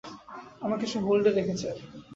আমাকে সে হোল্ডে রেখেছে!